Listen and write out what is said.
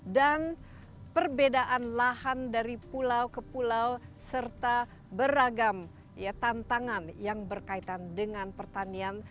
dan perbedaan lahan dari pulau ke pulau serta beragam tantangan yang berkaitan dengan pertanian